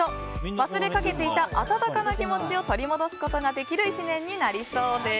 忘れかけていた温かな気持ちを取り戻すことができる１年になりそうです。